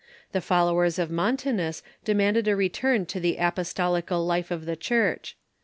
The followers of Montanus demanded a return to the apostolical life of the Church.